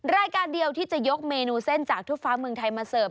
รายการเดียวที่จะยกเมนูเส้นจากทั่วฟ้าเมืองไทยมาเสิร์ฟ